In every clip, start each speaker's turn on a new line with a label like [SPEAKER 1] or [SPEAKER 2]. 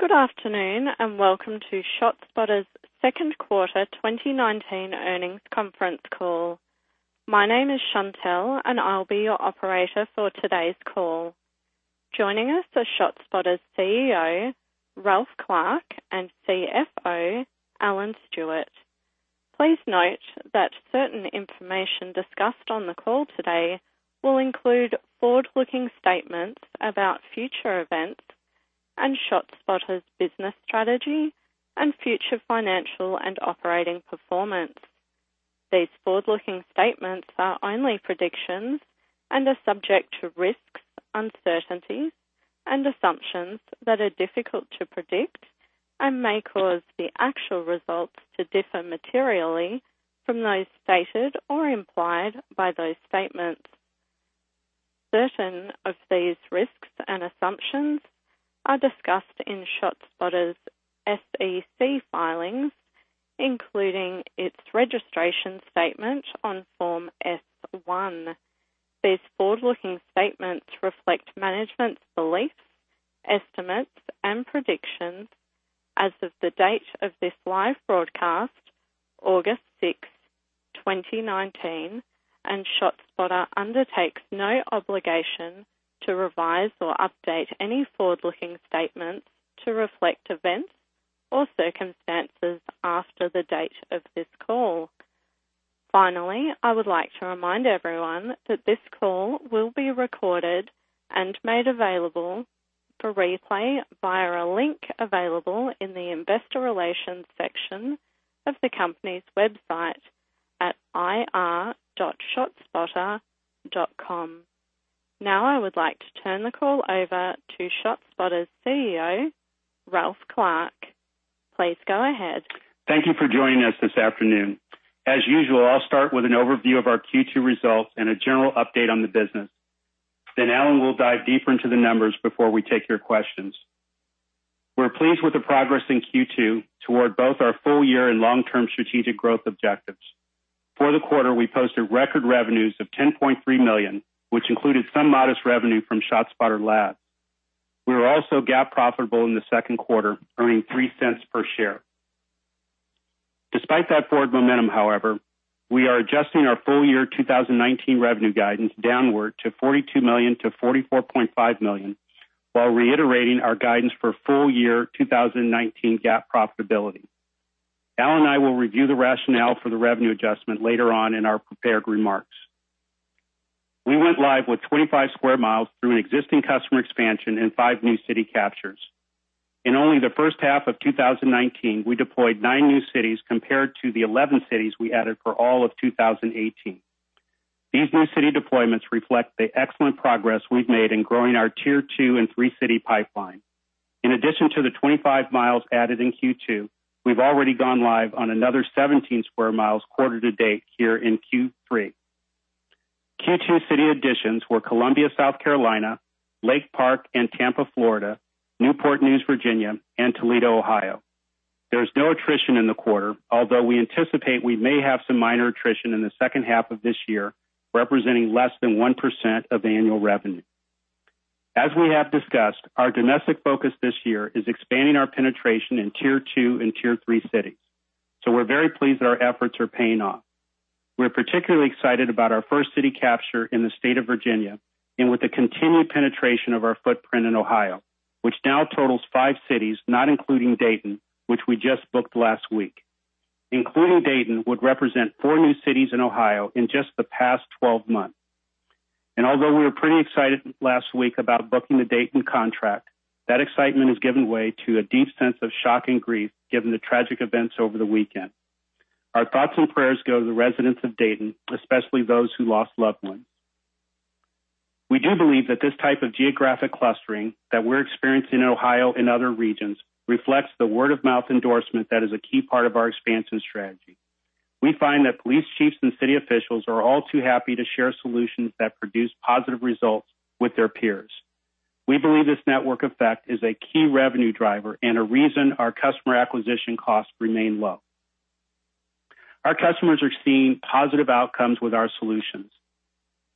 [SPEAKER 1] Good afternoon, welcome to ShotSpotter's second quarter 2019 earnings conference call. My name is Chantelle, I'll be your operator for today's call. Joining us are ShotSpotter's CEO, Ralph Clark, and CFO, Alan Stewart. Please note that certain information discussed on the call today will include forward-looking statements about future events and ShotSpotter's business strategy and future financial and operating performance. These forward-looking statements are only predictions and are subject to risks, uncertainties, and assumptions that are difficult to predict and may cause the actual results to differ materially from those stated or implied by those statements. Certain of these risks and assumptions are discussed in ShotSpotter's SEC filings, including its registration statement on Form S-1. These forward-looking statements reflect management's beliefs, estimates, and predictions as of the date of this live broadcast, August 6th, 2019. ShotSpotter undertakes no obligation to revise or update any forward-looking statements to reflect events or circumstances after the date of this call. Finally, I would like to remind everyone that this call will be recorded and made available for replay via a link available in the investor relations section of the company's website at ir.shotspotter.com. I would like to turn the call over to ShotSpotter's CEO, Ralph Clark. Please go ahead.
[SPEAKER 2] Thank you for joining us this afternoon. As usual, I'll start with an overview of our Q2 results and a general update on the business. Alan will dive deeper into the numbers before we take your questions. We're pleased with the progress in Q2 toward both our full year and long-term strategic growth objectives. For the quarter, we posted record revenues of $10.3 million, which included some modest revenue from ShotSpotter Labs. We were also GAAP profitable in the second quarter, earning $0.03 per share. Despite that forward momentum, however, we are adjusting our full year 2019 revenue guidance downward to $42 million-$44.5 million, while reiterating our guidance for full year 2019 GAAP profitability. Alan and I will review the rationale for the revenue adjustment later on in our prepared remarks. We went live with 25 square miles through an existing customer expansion in five new city captures. In only the first half of 2019, we deployed nine new cities compared to the 11 cities we added for all of 2018. These new city deployments reflect the excellent progress we've made in growing our tier 2 and 3-city pipeline. In addition to the 25 miles added in Q2, we've already gone live on another 17 square miles quarter to date here in Q3. Q2 city additions were Columbia, South Carolina, Lake Park and Tampa, Florida, Newport News, Virginia, and Toledo, Ohio. There was no attrition in the quarter, although we anticipate we may have some minor attrition in the second half of this year, representing less than 1% of annual revenue. As we have discussed, our domestic focus this year is expanding our penetration in tier 2 and tier 3 cities. We're very pleased our efforts are paying off. We're particularly excited about our first city capture in the state of Virginia and with the continued penetration of our footprint in Ohio, which now totals five cities, not including Dayton, which we just booked last week. Including Dayton would represent four new cities in Ohio in just the past 12 months. Although we were pretty excited last week about booking the Dayton contract, that excitement has given way to a deep sense of shock and grief given the tragic events over the weekend. Our thoughts and prayers go to the residents of Dayton, especially those who lost loved ones. We do believe that this type of geographic clustering that we're experiencing in Ohio and other regions reflects the word-of-mouth endorsement that is a key part of our expansion strategy. We find that police chiefs and city officials are all too happy to share solutions that produce positive results with their peers. We believe this network effect is a key revenue driver and a reason our customer acquisition costs remain low. Our customers are seeing positive outcomes with our solutions.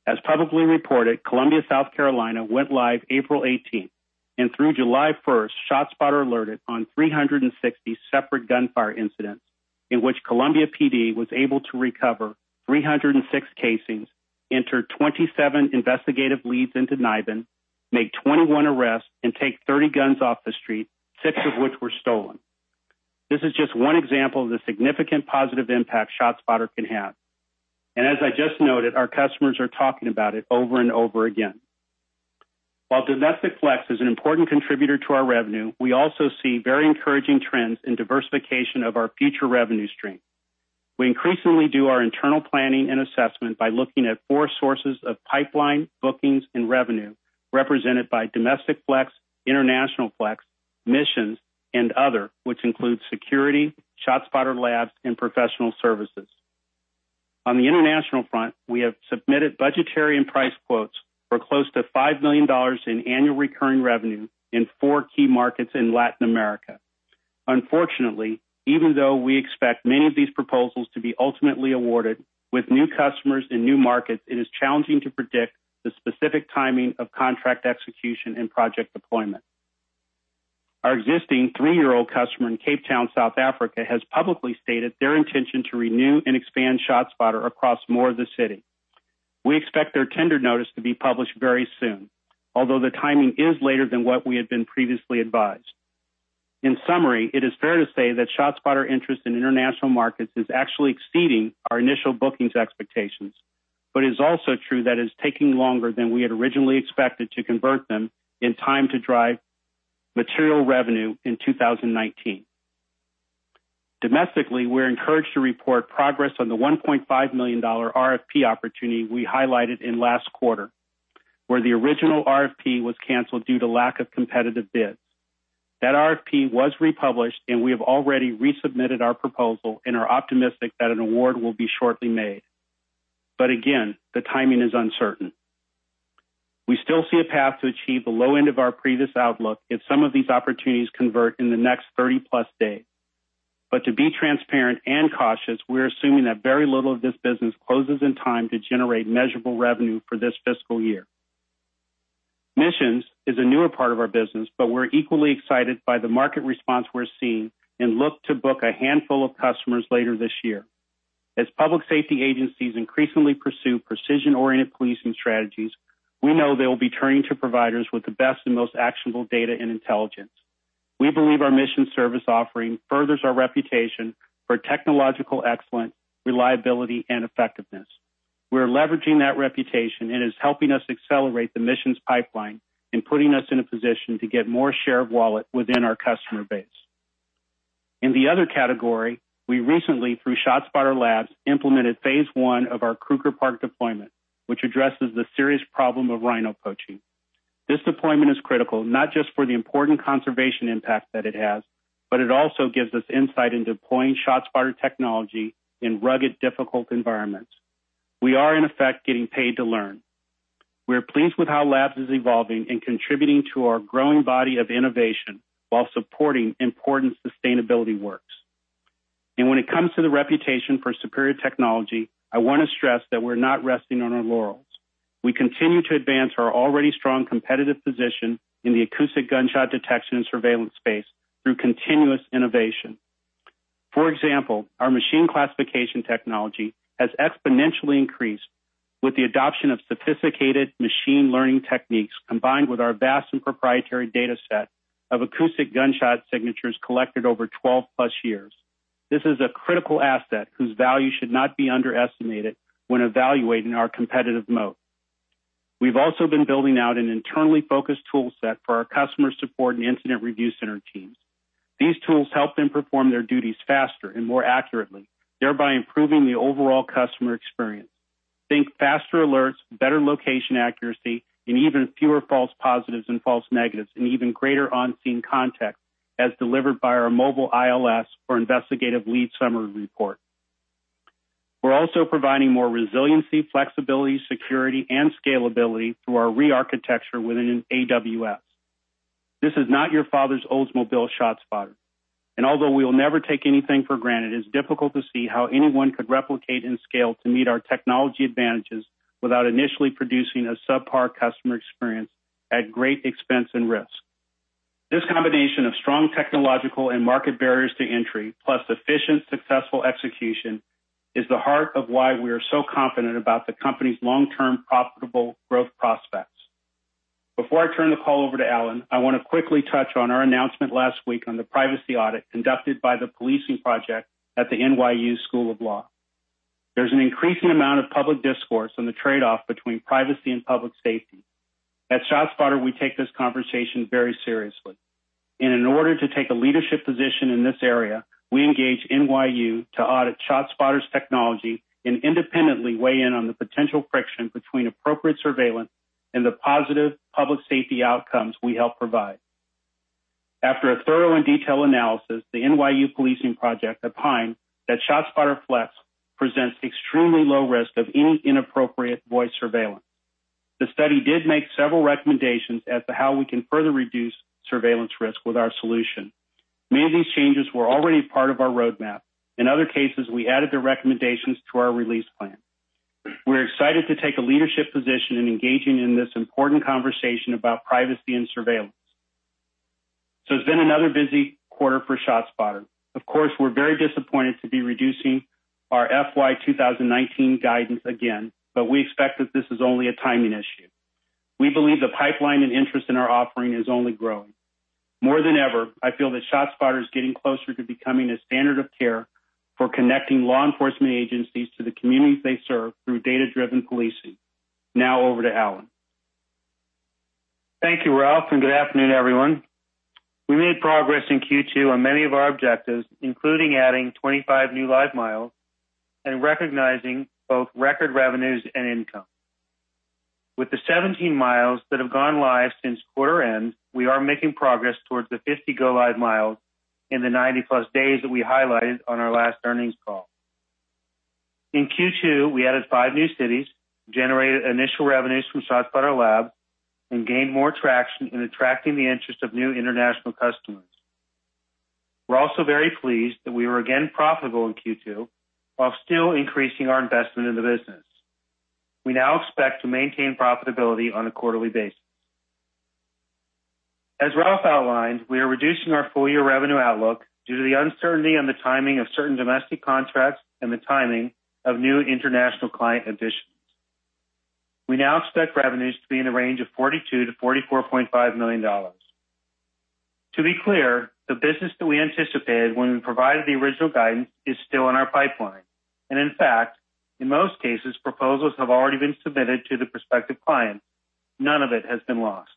[SPEAKER 2] As publicly reported, Columbia, South Carolina went live April 18th, and through July 1st, ShotSpotter alerted on 360 separate gunfire incidents in which Columbia PD was able to recover 306 casings, enter 27 investigative leads into NIBIN, make 21 arrests, and take 30 guns off the street, six of which were stolen. This is just one example of the significant positive impact ShotSpotter can have. As I just noted, our customers are talking about it over and over again. While domestic flex is an important contributor to our revenue, we also see very encouraging trends in diversification of our future revenue stream. We increasingly do our internal planning and assessment by looking at four sources of pipeline bookings and revenue represented by domestic flex, international flex, missions, and other, which includes security, ShotSpotter Labs, and professional services. On the international front, we have submitted budgetary and price quotes for close to $5 million in annual recurring revenue in four key markets in Latin America. Unfortunately, even though we expect many of these proposals to be ultimately awarded with new customers in new markets, it is challenging to predict the specific timing of contract execution and project deployment. Our existing three-year-old customer in Cape Town, South Africa, has publicly stated their intention to renew and expand ShotSpotter across more of the city. We expect their tender notice to be published very soon, although the timing is later than what we had been previously advised. In summary, it is fair to say that ShotSpotter interest in international markets is actually exceeding our initial bookings expectations. It is also true that it is taking longer than we had originally expected to convert them in time to drive material revenue in 2019. Domestically, we're encouraged to report progress on the $1.5 million RFP opportunity we highlighted in last quarter, where the original RFP was canceled due to lack of competitive bids. That RFP was republished, and we have already resubmitted our proposal and are optimistic that an award will be shortly made. Again, the timing is uncertain. We still see a path to achieve the low end of our previous outlook if some of these opportunities convert in the next 30-plus days. To be transparent and cautious, we're assuming that very little of this business closes in time to generate measurable revenue for this fiscal year. Missions is a newer part of our business, but we're equally excited by the market response we're seeing and look to book a handful of customers later this year. As public safety agencies increasingly pursue precision-oriented policing strategies, we know they'll be turning to providers with the best and most actionable data and intelligence. We believe our Missions service offering furthers our reputation for technological excellence, reliability, and effectiveness. We're leveraging that reputation, and it's helping us accelerate the Missions pipeline and putting us in a position to get more share of wallet within our customer base. In the other category, we recently, through ShotSpotter Labs, implemented phase one of our Kruger Park deployment, which addresses the serious problem of rhino poaching. This deployment is critical not just for the important conservation impact that it has, but it also gives us insight into deploying ShotSpotter technology in rugged, difficult environments. We are, in effect, getting paid to learn. We're pleased with how Labs is evolving and contributing to our growing body of innovation while supporting important sustainability works. When it comes to the reputation for superior technology, I want to stress that we're not resting on our laurels. We continue to advance our already strong competitive position in the acoustic gunshot detection and surveillance space through continuous innovation. For example, our machine classification technology has exponentially increased with the adoption of sophisticated machine learning techniques, combined with our vast and proprietary data set of acoustic gunshot signatures collected over 12+ years. This is a critical asset whose value should not be underestimated when evaluating our competitive moat. We've also been building out an internally-focused toolset for our customer support and incident review center teams. These tools help them perform their duties faster and more accurately, thereby improving the overall customer experience. Think faster alerts, better location accuracy, and even fewer false positives and false negatives, and even greater on-scene context, as delivered by our mobile ILS or investigative lead summary report. We're also providing more resiliency, flexibility, security, and scalability through our re-architecture within AWS. This is not your father's Oldsmobile ShotSpotter. Although we will never take anything for granted, it's difficult to see how anyone could replicate and scale to meet our technology advantages without initially producing a subpar customer experience at great expense and risk. This combination of strong technological and market barriers to entry, plus efficient, successful execution, is the heart of why we are so confident about the company's long-term profitable growth prospects. Before I turn the call over to Alan, I want to quickly touch on our announcement last week on the privacy audit conducted by the Policing Project at the NYU School of Law. There's an increasing amount of public discourse on the trade-off between privacy and public safety. At ShotSpotter, we take this conversation very seriously, and in order to take a leadership position in this area, we engaged NYU to audit ShotSpotter's technology and independently weigh in on the potential friction between appropriate surveillance and the positive public safety outcomes we help provide. After a thorough and detailed analysis, the NYU Policing Project opined that ShotSpotter Flex presents extremely low risk of any inappropriate voice surveillance. The study did make several recommendations as to how we can further reduce surveillance risk with our solution. Many of these changes were already part of our roadmap. In other cases, we added the recommendations to our release plan. We're excited to take a leadership position in engaging in this important conversation about privacy and surveillance. It's been another busy quarter for ShotSpotter. Of course, we're very disappointed to be reducing our FY 2019 guidance again, but we expect that this is only a timing issue. We believe the pipeline and interest in our offering is only growing. More than ever, I feel that ShotSpotter is getting closer to becoming a standard of care for connecting law enforcement agencies to the communities they serve through data-driven policing. Over to Alan.
[SPEAKER 3] Thank you, Ralph, and good afternoon, everyone. We made progress in Q2 on many of our objectives, including adding 25 new live miles and recognizing both record revenues and income. With the 17 miles that have gone live since quarter end, we are making progress towards the 50 go live miles in the 90-plus days that we highlighted on our last earnings call. In Q2, we added five new cities, generated initial revenues from ShotSpotter Labs, and gained more traction in attracting the interest of new international customers. We're also very pleased that we were again profitable in Q2 while still increasing our investment in the business. We now expect to maintain profitability on a quarterly basis. As Ralph outlined, we are reducing our full-year revenue outlook due to the uncertainty on the timing of certain domestic contracts and the timing of new international client additions. We now expect revenues to be in the range of $42 million-$44.5 million. To be clear, the business that we anticipated when we provided the original guidance is still in our pipeline, in fact, in most cases, proposals have already been submitted to the prospective client. None of it has been lost.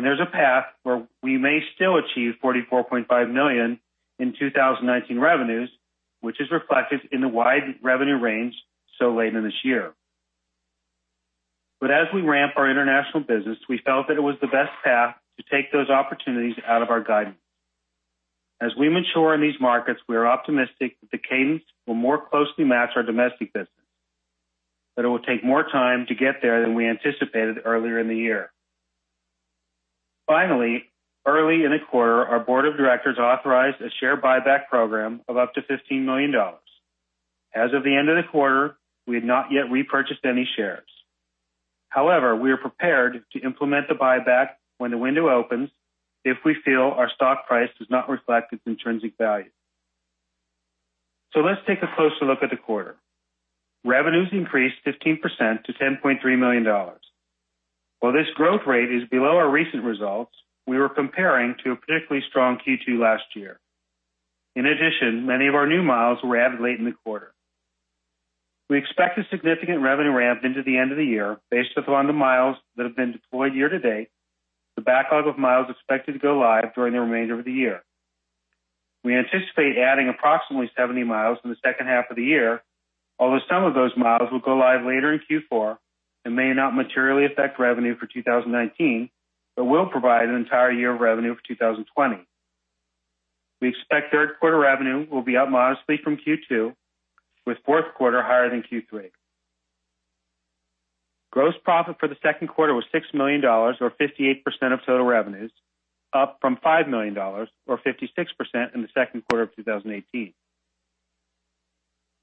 [SPEAKER 3] There's a path where we may still achieve $44.5 million in 2019 revenues, which is reflected in the wide revenue range so late in this year. As we ramp our international business, we felt that it was the best path to take those opportunities out of our guidance. As we mature in these markets, we are optimistic that the cadence will more closely match our domestic business, it will take more time to get there than we anticipated earlier in the year. Early in the quarter, our Board of Directors authorized a share buyback program of up to $15 million. As of the end of the quarter, we had not yet repurchased any shares. We are prepared to implement the buyback when the window opens if we feel our stock price does not reflect its intrinsic value. Let's take a closer look at the quarter. Revenues increased 15% to $10.3 million. While this growth rate is below our recent results, we were comparing to a particularly strong Q2 last year. In addition, many of our new miles were added late in the quarter. We expect a significant revenue ramp into the end of the year based upon the miles that have been deployed year-to-date, the backlog of miles expected to go live during the remainder of the year. We anticipate adding approximately 70 miles in the second half of the year, although some of those miles will go live later in Q4 and may not materially affect revenue for 2019, but will provide an entire year of revenue for 2020. We expect third quarter revenue will be up modestly from Q2, with fourth quarter higher than Q3. Gross profit for the second quarter was $6 million, or 58% of total revenues, up from $5 million, or 56%, in the second quarter of 2018.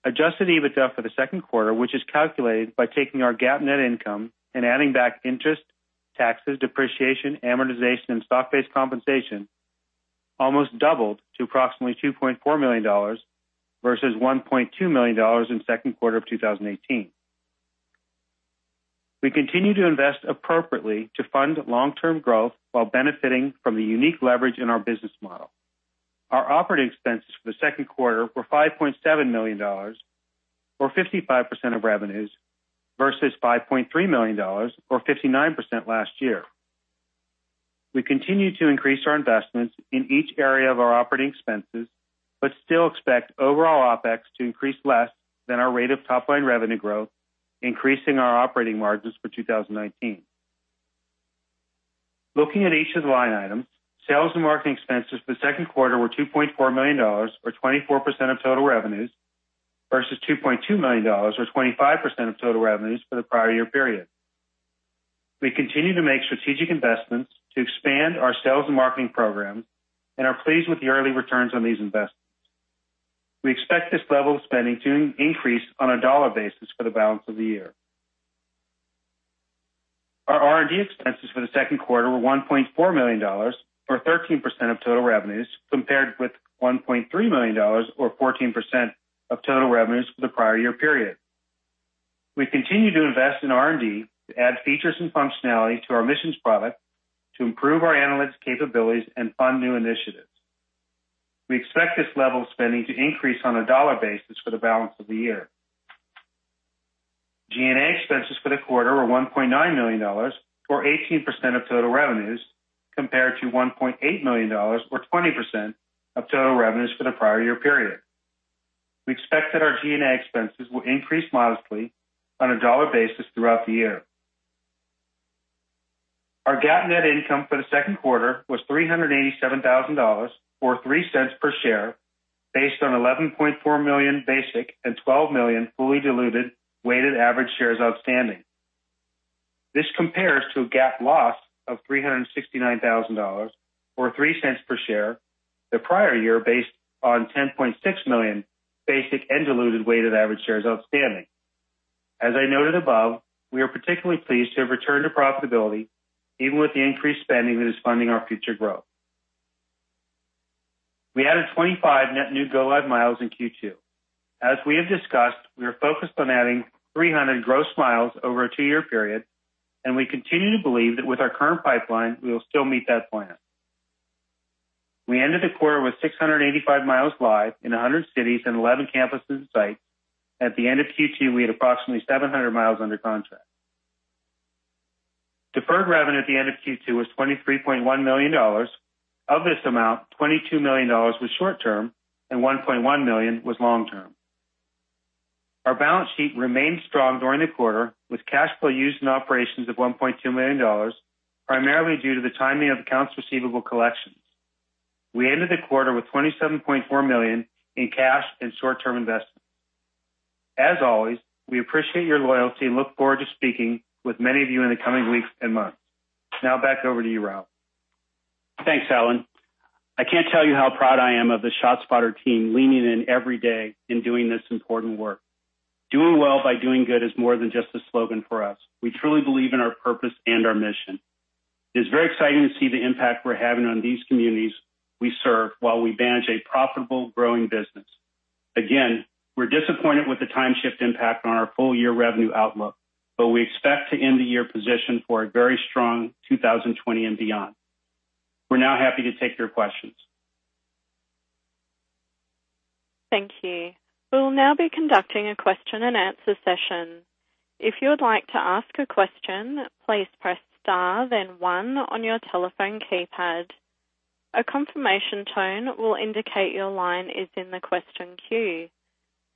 [SPEAKER 3] Adjusted EBITDA for the second quarter, which is calculated by taking our GAAP net income and adding back interest, taxes, depreciation, amortization, and stock-based compensation, almost doubled to approximately $2.4 million versus $1.2 million in second quarter of 2018. We continue to invest appropriately to fund long-term growth while benefiting from the unique leverage in our business model. Our operating expenses for the second quarter were $5.7 million, or 55% of revenues, versus $5.3 million, or 59%, last year. We continue to increase our investments in each area of our operating expenses, still expect overall OpEx to increase less than our rate of top-line revenue growth, increasing our operating margins for 2019. Looking at each of the line items, sales and marketing expenses for the second quarter were $2.4 million, or 24% of total revenues, versus $2.2 million, or 25% of total revenues for the prior year period. We continue to make strategic investments to expand our sales and marketing program and are pleased with the early returns on these investments. We expect this level of spending to increase on a dollar basis for the balance of the year. Our R&D expenses for the second quarter were $1.4 million, or 13% of total revenues, compared with $1.3 million, or 14% of total revenues for the prior year period. We continue to invest in R&D to add features and functionality to our Missions product to improve our analytics capabilities and fund new initiatives. We expect this level of spending to increase on a dollar basis for the balance of the year. G&A expenses for the quarter were $1.9 million, or 18% of total revenues, compared to $1.8 million, or 20% of total revenues for the prior year period. We expect that our G&A expenses will increase modestly on a dollar basis throughout the year. Our GAAP net income for the second quarter was $387,000, or $0.03 per share, based on 11.4 million basic and 12 million fully diluted weighted average shares outstanding. This compares to a GAAP loss of $369,000, or $0.03 per share, the prior year based on 10.6 million basic and diluted weighted average shares outstanding. As I noted above, we are particularly pleased to have returned to profitability, even with the increased spending that is funding our future growth. We added 25 net new go live miles in Q2. As we have discussed, we are focused on adding 300 gross miles over a two-year period, and we continue to believe that with our current pipeline, we will still meet that plan. We ended the quarter with 685 miles live in 100 cities and 11 campuses and sites. At the end of Q2, we had approximately 700 miles under contract. Deferred revenue at the end of Q2 was $23.1 million. Of this amount, $22 million was short-term and $1.1 million was long-term. Our balance sheet remained strong during the quarter with cash flow used in operations of $1.2 million, primarily due to the timing of accounts receivable collections. We ended the quarter with $27.4 million in cash and short-term investments. As always, we appreciate your loyalty and look forward to speaking with many of you in the coming weeks and months. Now back over to you, Ralph.
[SPEAKER 2] Thanks, Alan. I can't tell you how proud I am of the ShotSpotter team leaning in every day and doing this important work. Doing well by doing good is more than just a slogan for us. We truly believe in our purpose and our mission. It's very exciting to see the impact we're having on these communities we serve while we manage a profitable, growing business. Again, we're disappointed with the time shift impact on our full-year revenue outlook, but we expect to end the year positioned for a very strong 2020 and beyond. We're now happy to take your questions.
[SPEAKER 1] Thank you. We'll now be conducting a question and answer session. If you would like to ask a question, please press star then one on your telephone keypad. A confirmation tone will indicate your line is in the question queue.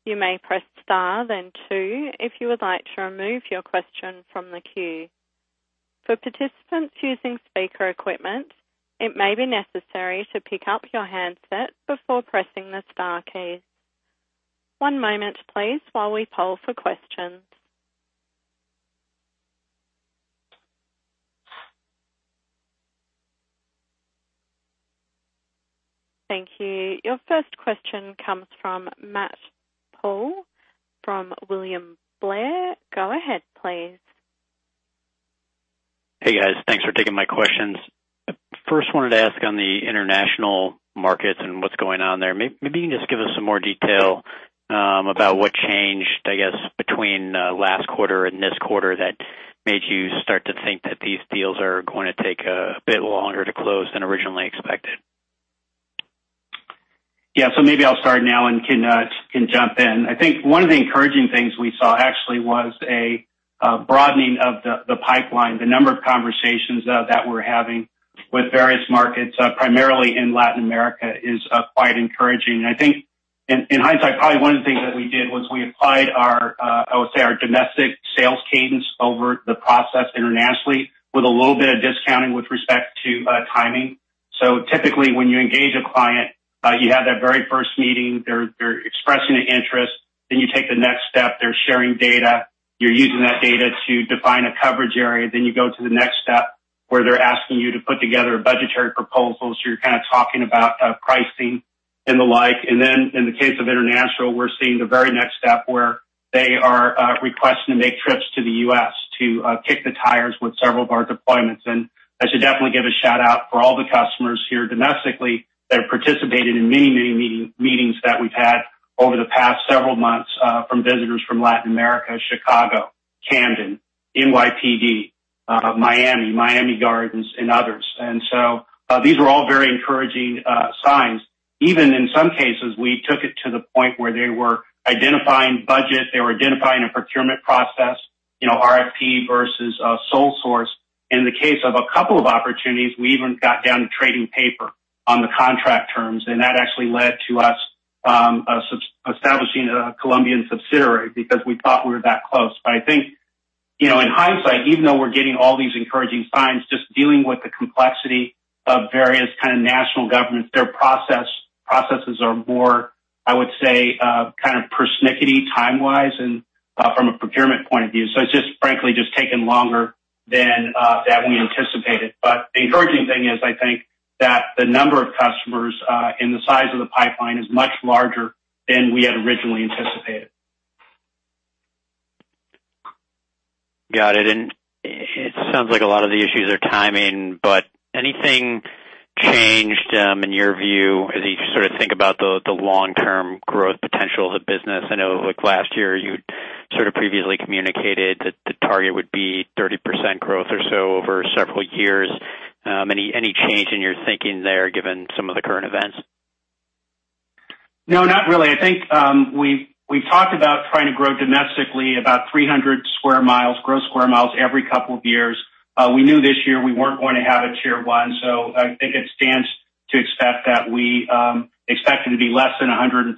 [SPEAKER 1] You may press star then two if you would like to remove your question from the queue. For participants using speaker equipment, it may be necessary to pick up your handset before pressing the star key. One moment please while we poll for questions. Thank you. Your first question comes from Matt Phipps from William Blair. Go ahead, please.
[SPEAKER 4] Hey, guys. Thanks for taking my questions. First wanted to ask on the international markets and what's going on there. Maybe you can just give us some more detail about what changed, I guess, between last quarter and this quarter that made you start to think that these deals are going to take a bit longer to close than originally expected.
[SPEAKER 2] Yeah. Maybe I'll start now, and Alan can jump in. I think one of the encouraging things we saw actually was a broadening of the pipeline. The number of conversations that we're having with various markets, primarily in Latin America, is quite encouraging. I think in hindsight, probably one of the things that we did was we applied our, I would say, our domestic sales cadence over the process internationally with a little bit of discounting with respect to timing. Typically, when you engage a client, you have that very first meeting, they're expressing an interest, then you take the next step, they're sharing data. You're using that data to define a coverage area. You go to the next step, where they're asking you to put together a budgetary proposal. You're kind of talking about pricing and the like. In the case of international, we're seeing the very next step where they are requesting to make trips to the U.S. to kick the tires with several of our deployments. I should definitely give a shout-out for all the customers here domestically that have participated in many, many meetings that we've had over the past several months, from visitors from Latin America, Chicago, Camden, NYPD, Miami Gardens, and others. These are all very encouraging signs. Even in some cases, we took it to the point where they were identifying budget, they were identifying a procurement process, RFP versus sole source. In the case of a couple of opportunities, we even got down to trading paper on the contract terms, that actually led to us establishing a Colombian subsidiary because we thought we were that close. I think, in hindsight, even though we're getting all these encouraging signs, just dealing with the complexity of various kind of national governments, their processes are more, I would say, kind of persnickety time-wise and from a procurement point of view. It's just frankly just taken longer than we anticipated. The encouraging thing is, I think that the number of customers and the size of the pipeline is much larger than we had originally anticipated.
[SPEAKER 4] Got it. It sounds like a lot of the issues are timing, but anything changed in your view as you sort of think about the long-term growth potential of the business? I know, like last year, you sort of previously communicated that the target would be 30% growth or so over several years. Any change in your thinking there given some of the current events?
[SPEAKER 2] No, not really. I think we talked about trying to grow domestically about 300 square miles, gross square miles every couple of years. We knew this year we weren't going to have a tier 1. I think it stands to expect that we expect it to be less than 150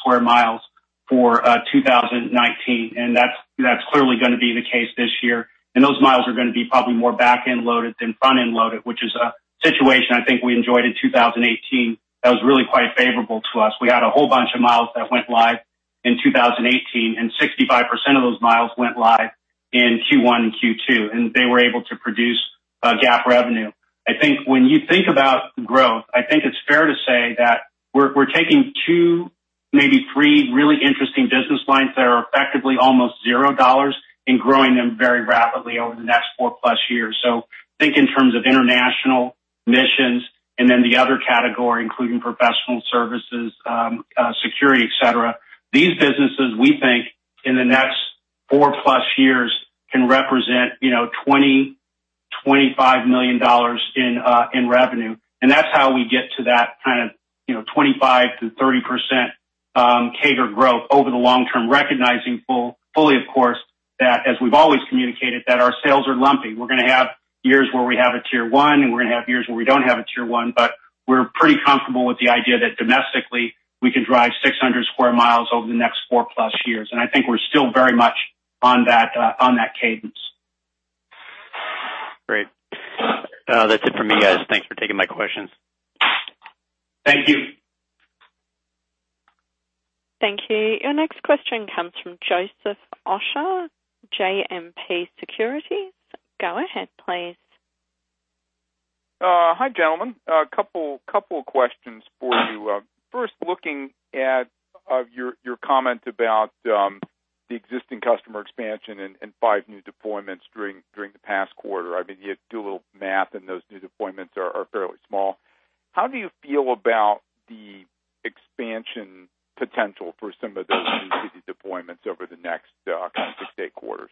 [SPEAKER 2] square miles for 2019. That's clearly going to be the case this year. Those miles are going to be probably more back-end loaded than front-end loaded, which is a situation I think we enjoyed in 2018 that was really quite favorable to us. We had a whole bunch of miles that went live in 2018. 65% of those miles went live in Q1 and Q2. They were able to produce GAAP revenue. I think when you think about growth, I think it's fair to say that we're taking two, maybe three really interesting business lines that are effectively almost $0 and growing them very rapidly over the next four-plus years. Think in terms of international missions, and then the other category, including professional services, security, et cetera. These businesses, we think in the next four-plus years can represent $20 million, $25 million in revenue. That's how we get to that kind of 25%-30% CAGR growth over the long term, recognizing fully, of course, that as we've always communicated, that our sales are lumpy. We're going to have years where we have a tier 1, and we're going to have years where we don't have a tier 1, but we're pretty comfortable with the idea that domestically, we can drive 600 sq mi over the next four-plus years. I think we're still very much on that cadence.
[SPEAKER 4] Great. That's it from me, guys. Thanks for taking my questions.
[SPEAKER 2] Thank you.
[SPEAKER 1] Thank you. Your next question comes from Joseph Osha, JMP Securities. Go ahead, please.
[SPEAKER 5] Hi, gentlemen. A couple of questions for you. First, looking at your comment about the existing customer expansion and five new deployments during the past quarter. I mean, you do a little math, and those new deployments are fairly small. How do you feel about the expansion potential for some of those new city deployments over the next 6-8 quarters?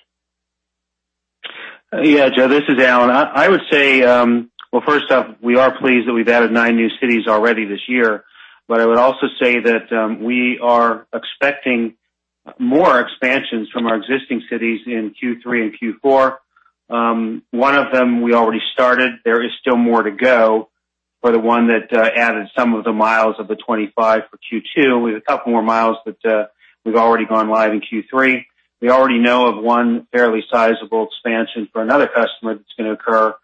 [SPEAKER 3] Yeah, Joe, this is Alan. I would say, well, first off, we are pleased that we've added nine new cities already this year. I would also say that we are expecting more expansions from our existing cities in Q3 and Q4. One of them we already started. There is still more to go for the one that added some of the miles of the 25 for Q2. We have a couple more miles that we've already gone live in Q3. We already know of one fairly sizable expansion for another customer that's going to occur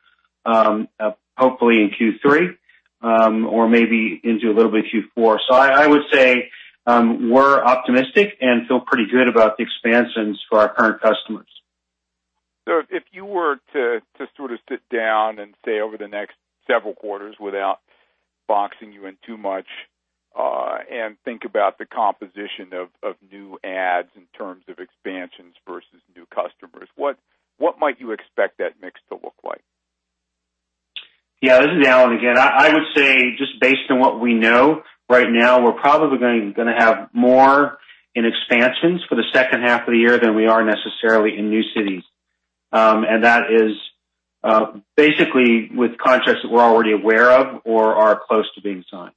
[SPEAKER 3] hopefully in Q3 or maybe into a little bit of Q4. I would say, we're optimistic and feel pretty good about the expansions for our current customers.
[SPEAKER 5] If you were to sort of sit down and say over the next several quarters, without boxing you in too much and think about the composition of new ads in terms of expansions versus new customers, what might you expect that mix to look like?
[SPEAKER 3] This is Alan again. I would say, just based on what we know right now, we're probably going to have more in expansions for the second half of the year than we are necessarily in new cities. That is basically with contracts that we're already aware of or are close to being signed.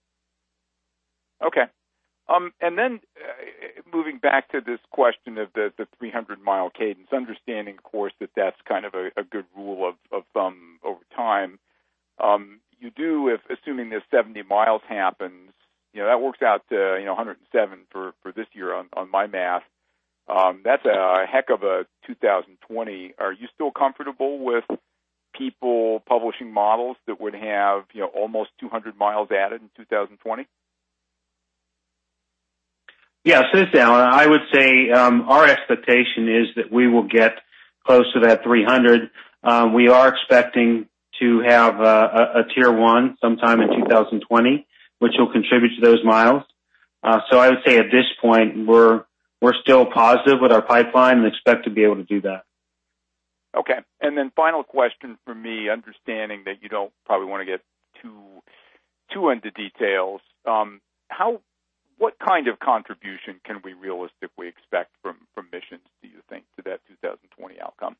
[SPEAKER 5] Okay. Moving back to this question of the 300-mile cadence, understanding, of course, that that's kind of a good rule of thumb over time. You do, if assuming that 70 miles happens, that works out to 107 for this year on my math. That's a heck of a 2020. Are you still comfortable with people publishing models that would have almost 200 miles added in 2020?
[SPEAKER 3] Yes. This is Alan. I would say our expectation is that we will get close to that 300. We are expecting to have a Tier 1 sometime in 2020, which will contribute to those miles. I would say at this point, we're still positive with our pipeline and expect to be able to do that.
[SPEAKER 5] Okay. Final question from me, understanding that you don't probably want to get too into details. What kind of contribution can we realistically expect from Missions, do you think, to that 2020 outcome?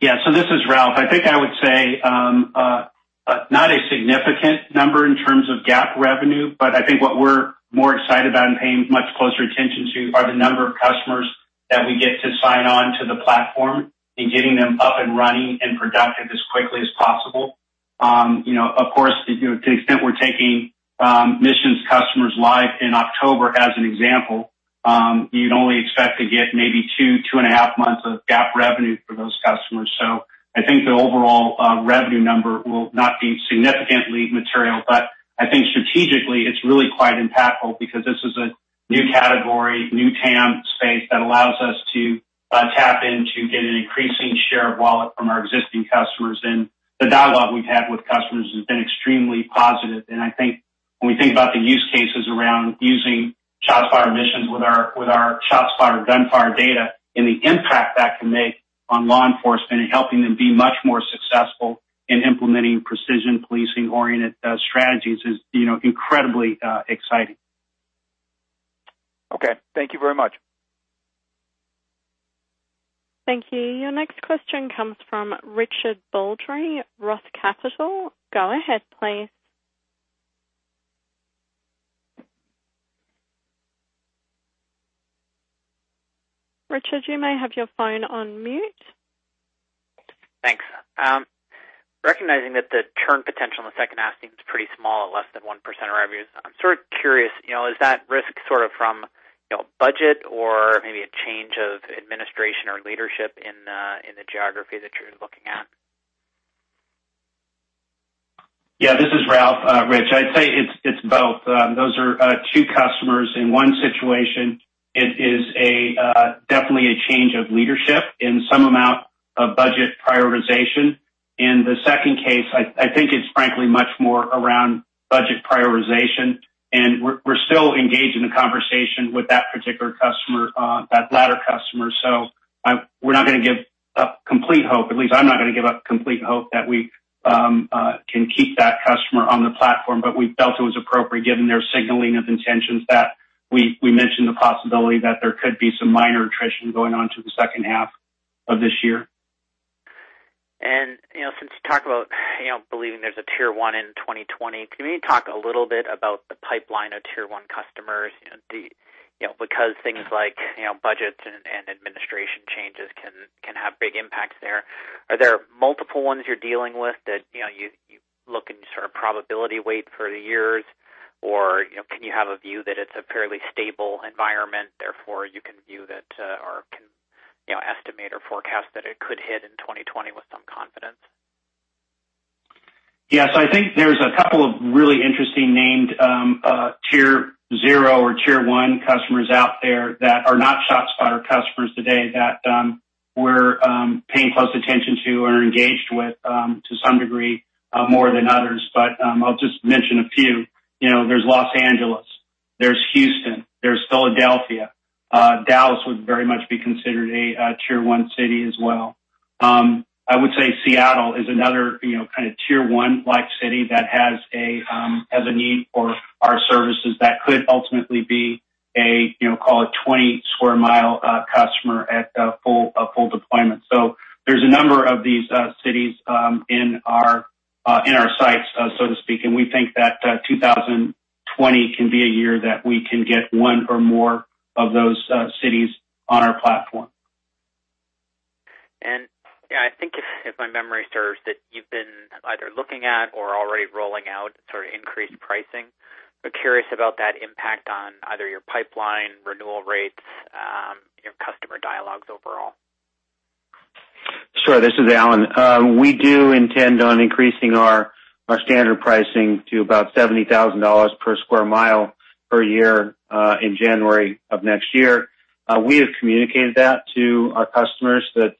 [SPEAKER 2] Yeah. This is Ralph. I think I would say, not a significant number in terms of GAAP revenue, but I think what we're more excited about and paying much closer attention to are the number of customers that we get to sign on to the platform and getting them up and running and productive as quickly as possible. Of course, to the extent we're taking Missions customers live in October as an example, you'd only expect to get maybe two and a half months of GAAP revenue for those customers. I think the overall revenue number will not be significantly material. I think strategically, it's really quite impactful because this is a new category, new TAM space that allows us to tap in to get an increasing share of wallet from our existing customers. The dialogue we've had with customers has been extremely positive. I think when we think about the use cases around using ShotSpotter Missions with our ShotSpotter Gunfire data and the impact that can make on law enforcement and helping them be much more successful in implementing precision policing-oriented strategies is incredibly exciting.
[SPEAKER 5] Okay. Thank you very much.
[SPEAKER 1] Thank you. Your next question comes from Richard Baldry, Roth Capital. Go ahead, please. Richard, you may have your phone on mute.
[SPEAKER 6] Thanks. Recognizing that the churn potential in the second half seems pretty small at less than 1% revenue. I'm sort of curious, is that risk sort of from budget or maybe a change of administration or leadership in the geography that you're looking at?
[SPEAKER 2] Yeah, this is Ralph. Rich, I'd say it's both. Those are two customers. In one situation, it is definitely a change of leadership and some amount of budget prioritization. In the second case, I think it's frankly much more around budget prioritization. We're still engaged in a conversation with that particular customer, that latter customer. We're not going to give up complete hope. At least I'm not going to give up complete hope that we can keep that customer on the platform. We felt it was appropriate given their signaling of intentions that we mentioned the possibility that there could be some minor attrition going on to the second half of this year.
[SPEAKER 6] Since you talk about believing there's a Tier 1 in 2020, can you talk a little bit about the pipeline of Tier 1 customers? Things like budgets and administration changes can have big impacts there. Are there multiple ones you're dealing with that you sort of probability weight for the years, or can you have a view that it's a fairly stable environment, therefore, you can view that or can estimate or forecast that it could hit in 2020 with some confidence?
[SPEAKER 2] Yes. I think there's a couple of really interesting named Tier 0 or Tier 1 customers out there that are not ShotSpotter customers today that we're paying close attention to and are engaged with to some degree more than others. I'll just mention a few. There's Los Angeles, there's Houston, there's Philadelphia. Dallas would very much be considered a Tier 1 city as well. I would say Seattle is another kind of Tier 1-like city that has a need for our services that could ultimately be a call it 20 square mile customer at full deployment. There's a number of these cities in our sights, so to speak, and we think that 2020 can be a year that we can get one or more of those cities on our platform.
[SPEAKER 6] I think if my memory serves, that you've been either looking at or already rolling out sort of increased pricing. I'm curious about that impact on either your pipeline, renewal rates, your customer dialogues overall.
[SPEAKER 3] Sure. This is Alan. We do intend on increasing our standard pricing to about $70,000 per square mile per year in January of next year. We have communicated that to our customers that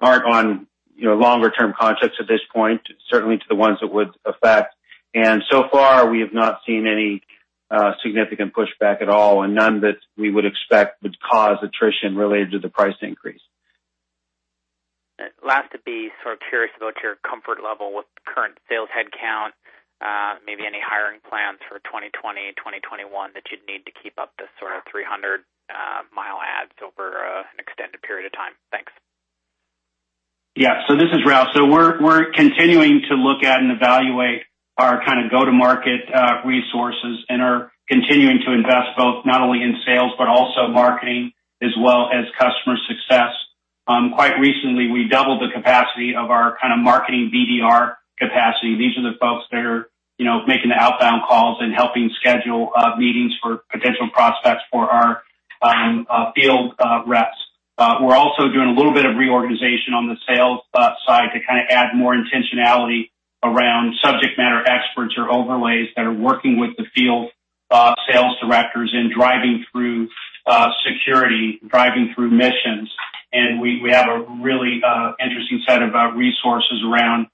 [SPEAKER 3] aren't on longer term contracts at this point, certainly to the ones it would affect. So far we have not seen any significant pushback at all and none that we would expect would cause attrition related to the price increase.
[SPEAKER 6] Last to be sort of curious about your comfort level with current sales headcount, maybe any hiring plans for 2020, 2021 that you'd need to keep up this sort of 300-mile adds over an extended period of time. Thanks.
[SPEAKER 2] Yeah. This is Ralph. We're continuing to look at and evaluate our kind of go-to-market resources and are continuing to invest both not only in sales but also marketing as well as customer success. Quite recently we doubled the capacity of our kind of marketing BDR capacity. These are the folks that are making the outbound calls and helping schedule meetings for potential prospects for our field reps. We're also doing a little bit of reorganization on the sales side to kind of add more intentionality around subject matter experts or overlays that are working with the field sales directors in driving through security, driving through Missions. We have a really interesting set of resources around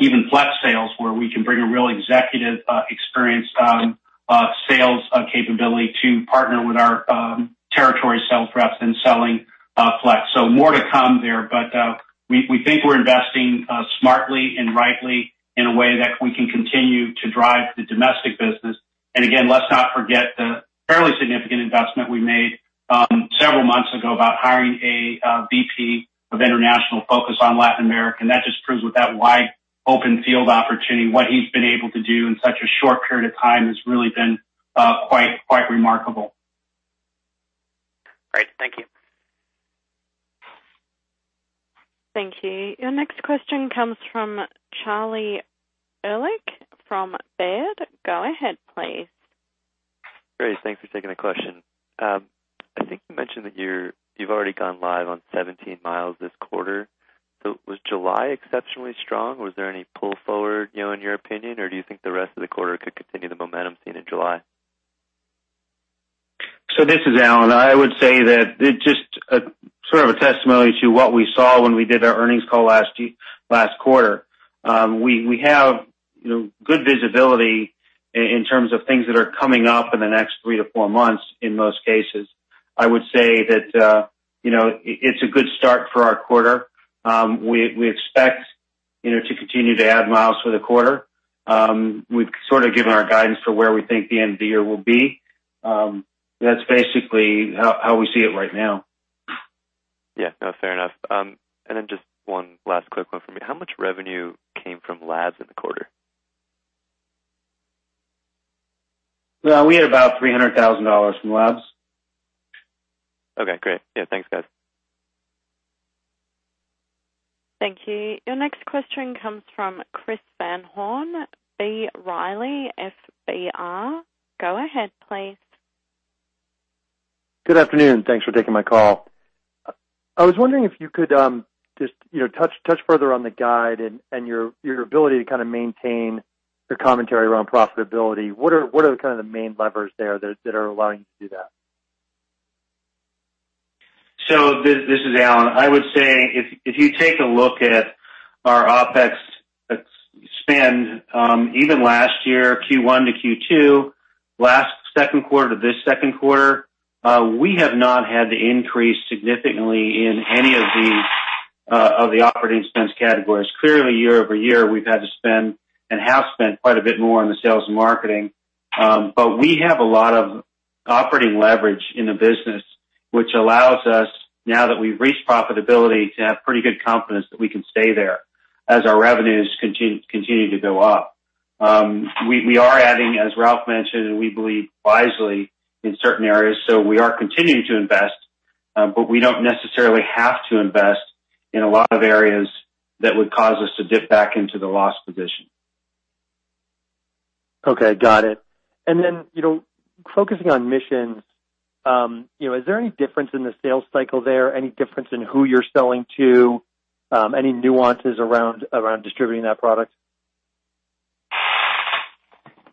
[SPEAKER 2] even Flex sales, where we can bring a real executive experience sales capability to partner with our territory sales reps in selling Flex. More to come there. We think we're investing smartly and rightly in a way that we can continue to drive the domestic business. Again, let's not forget the fairly significant investment we made several months ago about hiring a VP of international focus on Latin America. That just proves with that wide open field opportunity, what he's been able to do in such a short period of time has really been quite remarkable.
[SPEAKER 6] Great. Thank you.
[SPEAKER 1] Thank you. Your next question comes from Charles Erlikh from Baird. Go ahead, please.
[SPEAKER 7] Great. Thanks for taking the question. I think you mentioned that you've already gone live on 17 miles this quarter. Was July exceptionally strong? Was there any pull forward in your opinion, or do you think the rest of the quarter could continue the momentum seen in July?
[SPEAKER 3] This is Alan. I would say that it's just sort of a testimony to what we saw when we did our earnings call last quarter. We have good visibility in terms of things that are coming up in the next three to four months in most cases. I would say that it's a good start for our quarter. We expect to continue to add miles for the quarter. We've sort of given our guidance for where we think the end of the year will be. That's basically how we see it right now.
[SPEAKER 7] Yeah. No, fair enough. Just one last quick one for me. How much revenue came from Labs in the quarter?
[SPEAKER 3] Well, we had about $300,000 from ShotSpotter Labs.
[SPEAKER 7] Okay, great. Yeah, thanks, guys.
[SPEAKER 1] Thank you. Your next question comes from Christopher Van Horn, B. Riley FBR. Go ahead, please.
[SPEAKER 8] Good afternoon. Thanks for taking my call. I was wondering if you could just touch further on the guide and your ability to kind of maintain your commentary around profitability. What are kind of the main levers there that are allowing you to do that?
[SPEAKER 3] This is Alan. I would say if you take a look at our OpEx spend, even last year, Q1 to Q2, last second quarter to this second quarter, we have not had to increase significantly in any of the operating expense categories. Clearly, year-over-year, we've had to spend and have spent quite a bit more on the sales and marketing. We have a lot of operating leverage in the business, which allows us, now that we've reached profitability, to have pretty good confidence that we can stay there as our revenues continue to go up. We are adding, as Ralph mentioned, and we believe wisely in certain areas, so we are continuing to invest. We don't necessarily have to invest in a lot of areas that would cause us to dip back into the loss position.
[SPEAKER 8] Okay, got it. Then, focusing on Missions, is there any difference in the sales cycle there? Any difference in who you're selling to? Any nuances around distributing that product?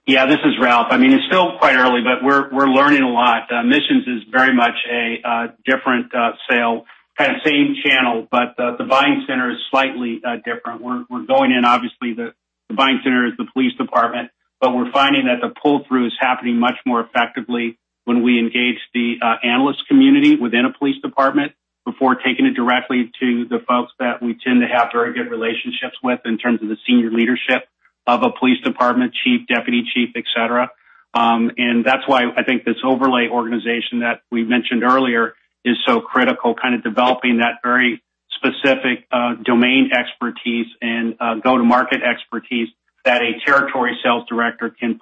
[SPEAKER 2] Yeah, this is Ralph. It's still quite early, but we're learning a lot. Missions is very much a different sale. Kind of same channel, the buying center is slightly different. We're going in, obviously, the buying center is the police department, we're finding that the pull-through is happening much more effectively when we engage the analyst community within a police department before taking it directly to the folks that we tend to have very good relationships with in terms of the senior leadership of a police department chief, deputy chief, et cetera. That's why I think this overlay organization that we mentioned earlier is so critical, kind of developing that very specific domain expertise and go-to-market expertise that a territory sales director can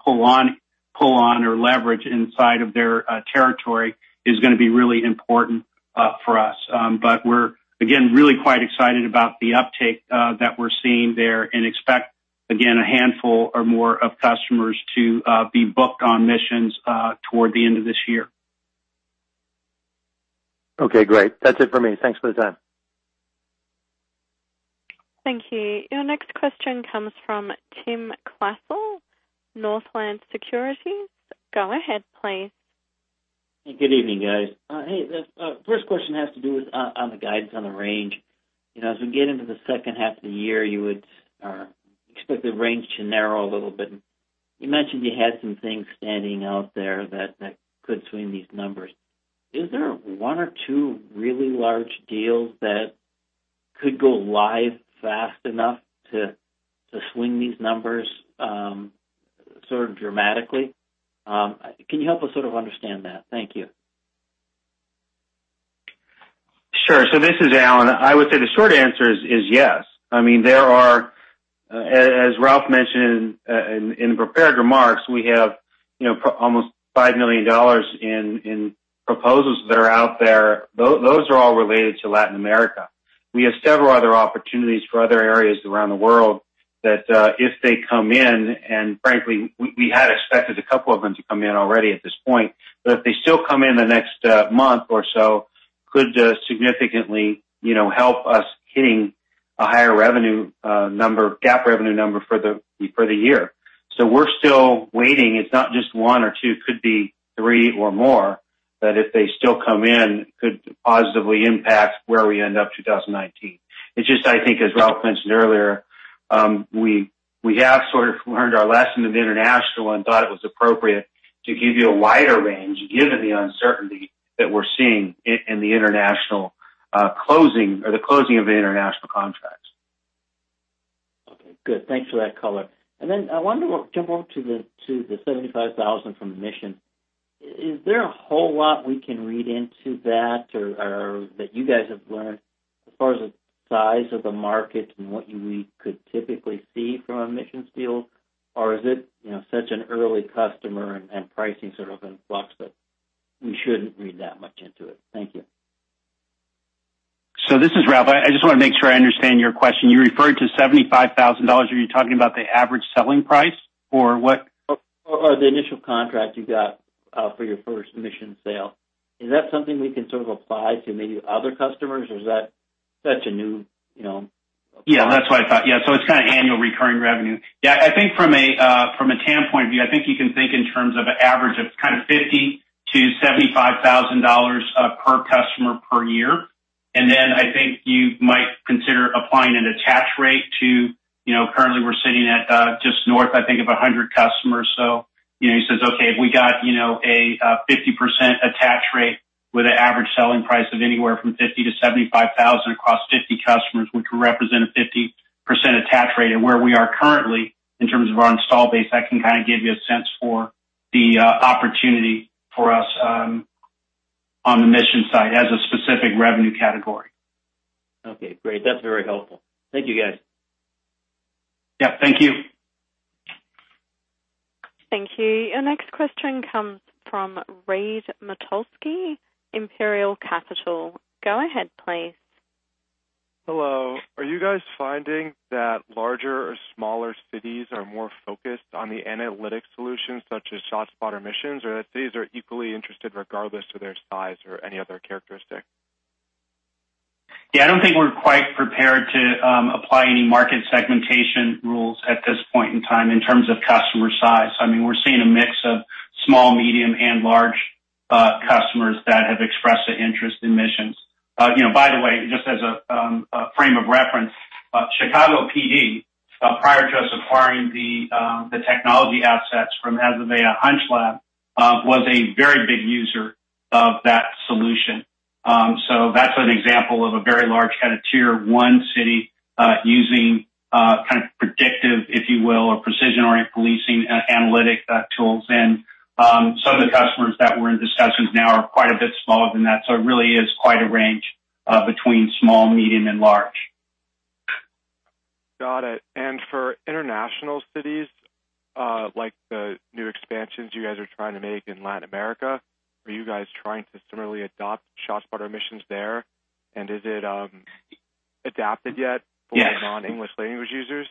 [SPEAKER 2] pull on or leverage inside of their territory is going to be really important for us. We're, again, really quite excited about the uptake that we're seeing there and expect, again, a handful or more of customers to be booked on Missions toward the end of this year.
[SPEAKER 8] Okay, great. That's it for me. Thanks for the time.
[SPEAKER 1] Thank you. Your next question comes from Timothy Klasell, Northland Securities. Go ahead, please.
[SPEAKER 9] Hey, good evening, guys. Hey, the first question has to do with on the guidance on the range. As we get into the second half of the year, you would expect the range to narrow a little bit. You mentioned you had some things standing out there that could swing these numbers. Is there one or two really large deals that could go live fast enough to swing these numbers sort of dramatically? Can you help us sort of understand that? Thank you.
[SPEAKER 3] Sure. This is Alan. I would say the short answer is yes. There are, as Ralph mentioned in the prepared remarks, we have almost $5 million in proposals that are out there. Those are all related to Latin America. We have several other opportunities for other areas around the world that, if they come in, and frankly, we had expected a couple of them to come in already at this point, if they still come in the next month or so, could significantly help us hitting a higher revenue number, GAAP revenue number for the year. We're still waiting. It's not just one or two, could be three or more, if they still come in, could positively impact where we end up 2019. It's just I think as Ralph mentioned earlier, we have sort of learned our lesson with international and thought it was appropriate to give you a wider range given the uncertainty that we're seeing in the international closing or the closing of the international contracts.
[SPEAKER 9] Okay, good. Thanks for that color. I wanted to jump over to the $75,000 from the Missions. Is there a whole lot we can read into that or that you guys have learned as far as the size of the market and what we could typically see from a Missions deal? Is it such an early customer and pricing sort of in flux that we shouldn't read that much into it? Thank you.
[SPEAKER 2] This is Ralph. I just want to make sure I understand your question. You referred to $75,000. Are you talking about the average selling price or what?
[SPEAKER 9] The initial contract you got for your first Mission sale. Is that something we can sort of apply to maybe other customers, or is that such a new?
[SPEAKER 2] Yeah, that's what I thought. It's kind of annual recurring revenue. I think from a TAM point of view, I think you can think in terms of an average of kind of $50,000 to $75,000 per customer per year. I think you might consider applying an attach rate to, currently we're sitting at just north, I think, of 100 customers. You say, okay, if we got a 50% attach rate with an average selling price of anywhere from $50,000 to $75,000 across 50 customers, we could represent a 50% attach rate at where we are currently in terms of our install base. That can kind of give you a sense for the opportunity for us on the Mission side as a specific revenue category.
[SPEAKER 9] Okay, great. That's very helpful. Thank you, guys.
[SPEAKER 2] Yeah, thank you.
[SPEAKER 1] Thank you. Your next question comes from Reed Motulsky, Imperial Capital. Go ahead, please.
[SPEAKER 10] Hello. Are you guys finding that larger or smaller cities are more focused on the analytics solutions such as ShotSpotter Missions, or that cities are equally interested regardless of their size or any other characteristic?
[SPEAKER 2] Yeah, I don't think we're quite prepared to apply any market segmentation rules at this point in time in terms of customer size. We're seeing a mix of small, medium, and large customers that have expressed an interest in Missions. By the way, just as a frame of reference, Chicago PD, prior to us acquiring the technology assets from Azavea HunchLab, was a very big user of that solution. That's an example of a very large kind of tier 1 city using kind of predictive, if you will, or precision-oriented policing analytic tools. Some of the customers that we're in discussions now are quite a bit smaller than that, it really is quite a range between small, medium, and large.
[SPEAKER 10] Got it. For international cities, like the new expansions you guys are trying to make in Latin America, are you guys trying to similarly adopt ShotSpotter Missions there? Is it adapted yet?
[SPEAKER 2] Yes
[SPEAKER 10] for non-English language users?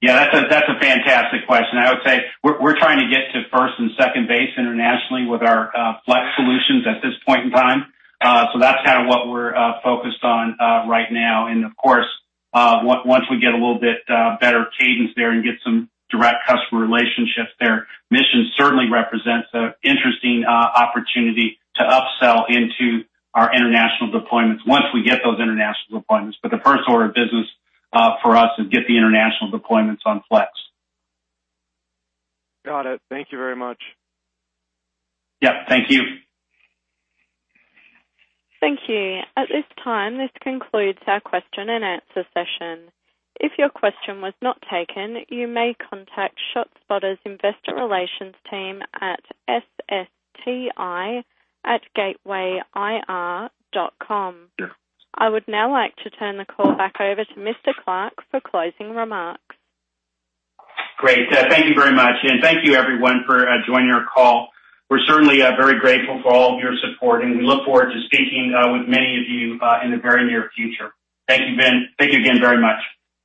[SPEAKER 2] Yeah, that's a fantastic question. I would say we're trying to get to first and second base internationally with our Flex solutions at this point in time. That's kind of what we're focused on right now. Of course, once we get a little bit better cadence there and get some direct customer relationships there, Missions certainly represents an interesting opportunity to upsell into our international deployments once we get those international deployments. The first order of business for us is get the international deployments on Flex.
[SPEAKER 10] Got it. Thank you very much.
[SPEAKER 2] Yeah, thank you.
[SPEAKER 1] Thank you. At this time, this concludes our question and answer session. If your question was not taken, you may contact ShotSpotter's investor relations team at ssti@gatewayir.com. I would now like to turn the call back over to Mr. Clark for closing remarks.
[SPEAKER 2] Great. Thank you everyone for joining our call. We're certainly very grateful for all of your support, and we look forward to speaking with many of you in the very near future. Thank you again very much.